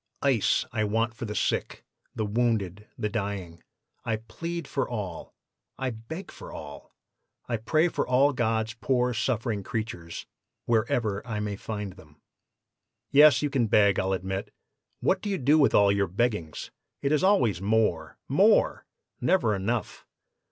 Ice I want for the sick, the wounded, the dying. I plead for all, I beg for all, I pray for all God's poor suffering creatures, wherever I may find them.' "'Yes, you can beg, I'll admit. What do you do with all your beggings? It is always more, more! never enough!